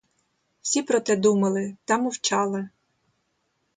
Всі про це думали, та мовчали.